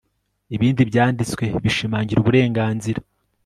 ibindi byanditswe bishimangira uburenganzira